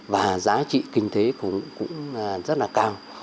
và giá trị kinh tế cũng rất là cao